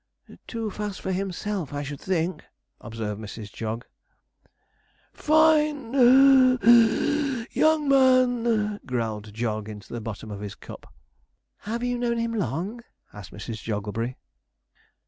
'Too fast for himself, I should think,' observed Mrs. Jog. 'Fine (puff wheeze) young man,' growled Jog into the bottom of his cup. 'Have you known him long?' asked Mrs. Jogglebury.